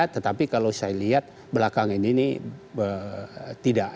tetapi kalau saya lihat belakang ini ini tidak